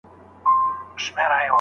په مسجدونو کې مې لس کلونه ونه موندې